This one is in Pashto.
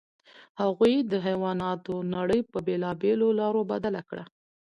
هغوی د حیواناتو نړۍ په بېلابېلو لارو بدل کړه.